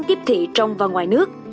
tiếp thị trong và ngoài nước